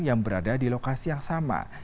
yang berada di lokasi yang sama